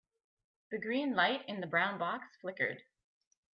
The green light in the brown box flickered.